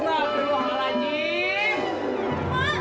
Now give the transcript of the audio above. mas mbak beruang ala jin